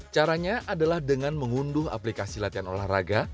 caranya adalah dengan mengunduh aplikasi latihan olahraga